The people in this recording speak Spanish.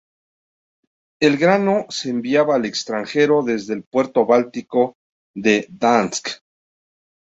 El grano se enviaba al extranjero desde el puerto báltico de Gdansk.